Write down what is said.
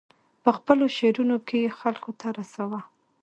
په خپلو شعرونو کې یې خلکو ته رساوه.